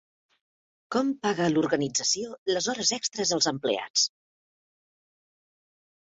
Com paga l'organització les hores extres als empleats?